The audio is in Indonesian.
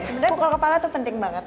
sebenernya pukul kepala tuh penting banget